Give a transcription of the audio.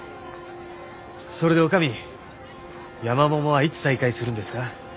それで女将山桃はいつ再開するんですか？